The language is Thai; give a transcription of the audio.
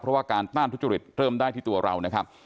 เพราะว่าการต้านทุจริตเริ่มได้ที่ตัวเรานะครับ